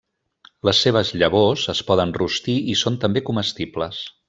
Les seves llavors es poden rostir i són també comestibles.